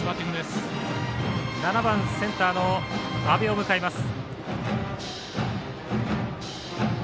７番センターの安部を迎えます。